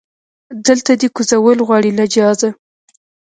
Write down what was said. دلته دی کوزول غواړي له جهازه